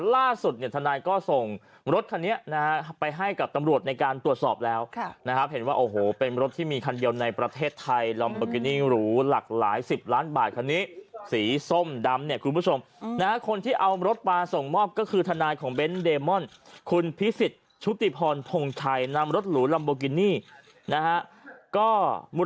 ล่าสุดเนี่ยทนายก็ส่งรถคันนี้นะฮะไปให้กับตำรวจในการตรวจสอบแล้วนะครับเห็นว่าโอ้โหเป็นรถที่มีคันเดียวในประเทศไทยลัมโบกินี่หรูหลากหลายสิบล้านบาทคันนี้สีส้มดำเนี่ยคุณผู้ชมนะฮะคนที่เอารถมาส่งมอบก็คือทนายของเบ้นเดมอนคุณพิสิทธิ์ชุติพรทงชัยนำรถหรูลัมโบกินี่นะฮะก็มุ